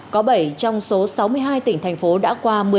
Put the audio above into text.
có bảy trong số sáu mươi hai tỉnh thành phố đã qua